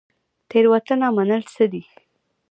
تیروتنه منل څه دي؟